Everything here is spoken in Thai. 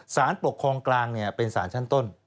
สารปกครองกลางเป็นสารชั้นต้น